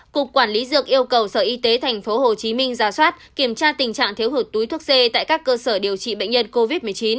cục quản lý dược yêu cầu sở y tế tp hcm ra soát kiểm tra tình trạng thiếu hụt túi thuốc c tại các cơ sở điều trị bệnh nhân covid một mươi chín